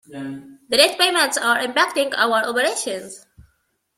The late payments are impacting our operations.